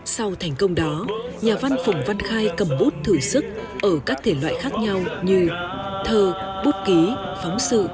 sau thành công đó nhà văn phùng văn khai cầm bút thử sức ở các thể loại khác nhau như thơ bút ký phóng sự